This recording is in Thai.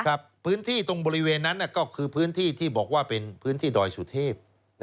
พื้นที่ตรงบริเวณนั้นก็คือพื้นที่ที่บอกว่าเป็นพื้นที่ดอยสุเทพ